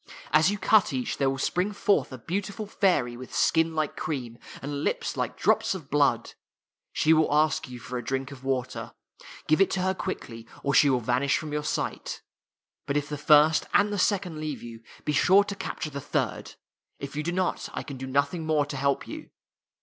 As you cut each, there will spring forth a beautiful fairy, with skin like cream, and lips like drops of blood. She will ask you for a drink of water. Give it to her quickly, or she will vanish from your sight. But if the first and the second leave you, be sure to capture the third. If you do not, I can do nothing more to help you.